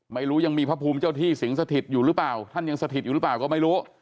ยังมีพระภูมิเจ้าที่สิงสถิตอยู่หรือเปล่าท่านยังสถิตอยู่หรือเปล่าก็ไม่รู้